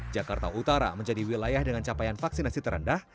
jakarta utara menjadi wilayah dengan capaian vaksinasi terendah